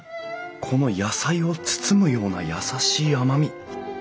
この野菜を包むような優しい甘み。